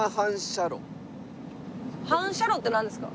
反射炉ってなんですか？